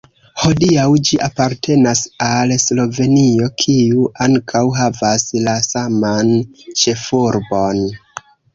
Hodiaŭ ĝi apartenas al Slovenio, kiu ankaŭ havas la saman ĉefurbon.